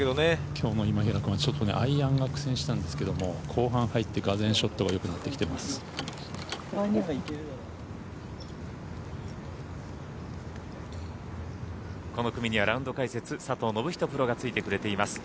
きょうの今平君は、ちょっとアイアンが苦戦したんですけど後半入って俄然ショットが良くなってきています。